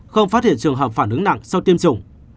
không phát hiện trường hợp phản ứng nặng sau tiêm chủng